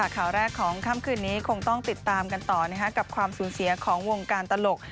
ข่าวแรกของค่ำคืนนี้คงต้องติดตามกันต่อกับความสูญเสียของวงการตลก